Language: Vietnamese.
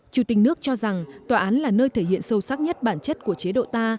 chủ tịch nước cho rằng tòa án là nơi thể hiện sâu sắc nhất bản chất của chế độ ta